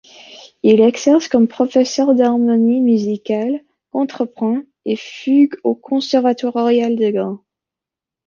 Il exerce comme professeur d'harmonie musicale, contrepoint et fugue au Conservatoire royal de Gand.